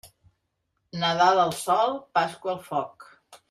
Nadal al sol, Pasqua al foc.